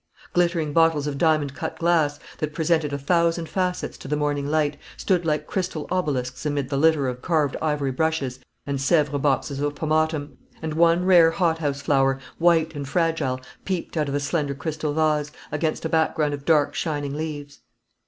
Glittering bottles of diamond cut glass, that presented a thousand facets to the morning light, stood like crystal obelisks amid the litter of carved ivory brushes and Sèvres boxes of pomatum; and one rare hothouse flower, white and fragile, peeped out of a slender crystal vase, against a background of dark shining leaves.